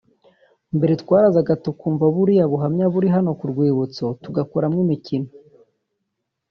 Mbere twarazaga tukumva buriya buhamya buri hano ku rwibutso tugakoramo imikino